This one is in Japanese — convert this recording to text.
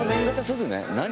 何？